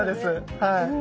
はい。